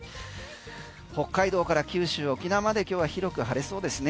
北海道から九州、沖縄まで今日は広く晴れそうですね。